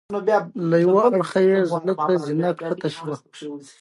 له یوه اړخه یې زړه ته زینه ښکته شوې.